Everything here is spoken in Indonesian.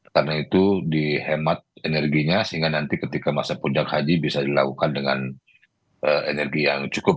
karena itu dihemat energinya sehingga nanti ketika masa puncak haji bisa dilakukan dengan energi yang cukup